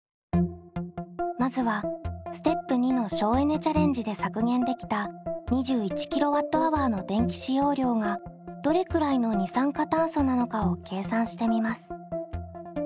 まずはステップ②の省エネ・チャレンジで削減できた２１ｋＷｈの電気使用量がどれくらいの二酸化炭素なのかを計算してみます。